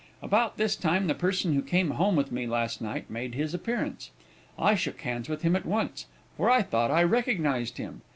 About this time the person who came home with me last night made his appearance. I shook hands with him at once, for I thought I recognized him.